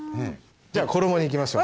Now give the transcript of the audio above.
じゃあ衣にいきましょう。